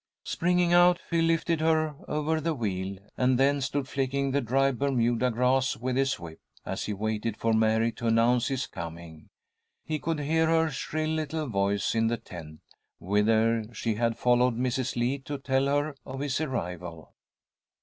Springing out, Phil lifted her over the wheel, and then stood flicking the dry Bermuda grass with his whip, as he waited for Mary to announce his coming. He could hear her shrill little voice in the tent, whither she had followed Mrs. Lee to tell her of his arrival.